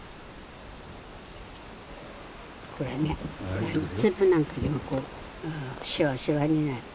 これね粒なんかでもこうしわしわになって。